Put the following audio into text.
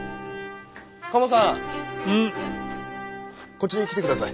こっちに来てください。